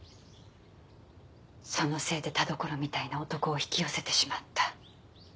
そのせいで田所みたいな男を引き寄せてしまった。